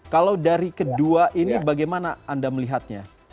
kalau dari kedua ini bagaimana anda melihatnya